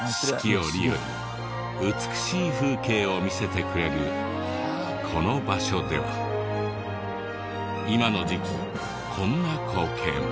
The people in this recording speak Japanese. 折々美しい風景を見せてくれるこの場所では今の時期こんな光景も。